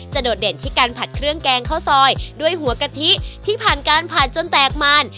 โดดเด่นที่การผัดเครื่องแกงข้าวซอยด้วยหัวกะทิที่ผ่านการผัดจนแตกมัน